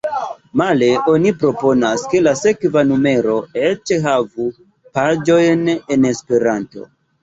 Male oni proponas, ke la sekva numero eĉ havu paĝojn en Esperanto.